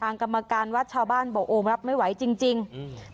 กรรมการวัดชาวบ้านบอกโอ้รับไม่ไหวจริงจริงอืม